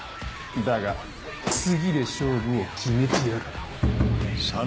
だが次で勝負を決めてやる。